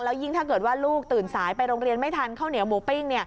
ยิ่งถ้าเกิดว่าลูกตื่นสายไปโรงเรียนไม่ทันข้าวเหนียวหมูปิ้ง